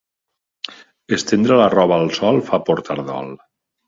Estendre la roba al sol fa portar dol.